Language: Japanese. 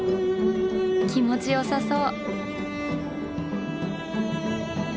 気持ちよさそう。